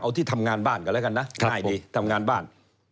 เอาที่ทำงานบ้านกันแล้วกันนะง่ายดีทำงานบ้าน